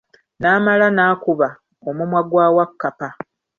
Naamala n'akuba omumwa gwa Wakkapa.